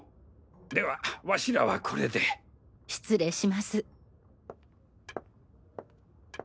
ではワシらはこれで。失礼します。